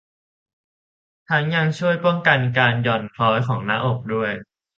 ทั้งยังช่วยป้องกันการหย่อนคล้อยของหน้าอกด้วย